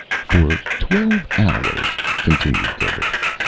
"For twelve hours," continued Gerbert.